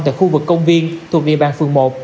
tại khu vực công viên thuộc địa bàn phường một